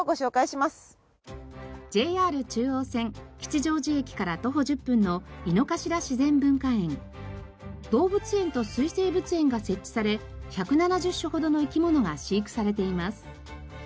ＪＲ中央線吉祥寺駅から徒歩１０分の動物園と水生物園が設置され１７０種ほどの生き物が飼育されています。